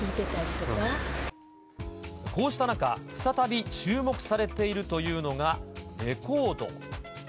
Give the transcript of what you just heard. こうした中、再び、注目されているというのがレコード。